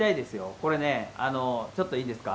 これね、ちょっといいですか。